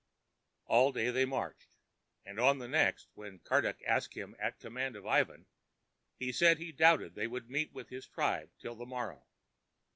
All that day they marched. And on the next, when Karduk asked him at command of Ivan, he said he doubted they would meet with his tribe till the morrow.